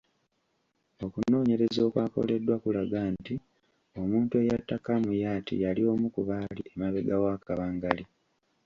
Okunoonyereza okwakoleddwa kulaga nti omuntu eyatta Kamuyat yali omu ku baali emabega wa kabangali.